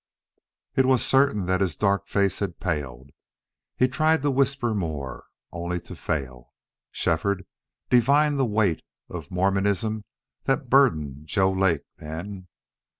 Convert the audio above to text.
It was certain that his dark face had paled. He tried to whisper more, only to fail. Shefford divined the weight of Mormonism that burdened Joe Lake then.